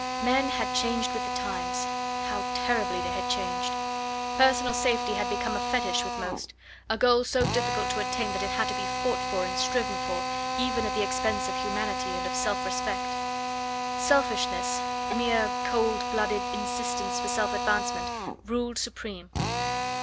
Men had changed with the times. How terribly they had changed! Personal safety had become a fetish with most a goal so difficult to attain that it had to be fought for and striven for, even at the expense of humanity and of self respect. Selfishness the mere, cold blooded insistence for self advancement ruled supreme.